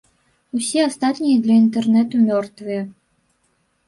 Усе астатнія для інтэрнэту мёртвыя.